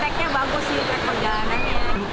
tapi treknya bagus sih trek perjalanannya